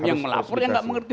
yang melapor yang tidak mengerti